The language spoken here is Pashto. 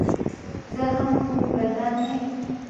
زه هم کوم ګدا نه یم.